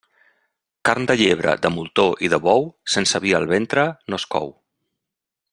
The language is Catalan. Carn de llebre, de moltó i de bou, sense vi al ventre no es cou.